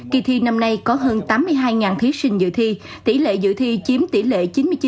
kỳ thi năm nay có hơn tám mươi hai thí sinh dự thi tỷ lệ dự thi chiếm tỷ lệ chín mươi chín hai mươi tám